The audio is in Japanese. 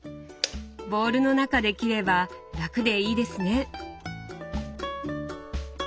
ボウルの中で切れば楽でいいですね。